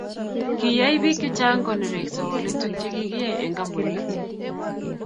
Kiyai bik chechang konerekso wolutik che kikiyai eng kambunit.